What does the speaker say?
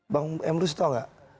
bang emrus tau gak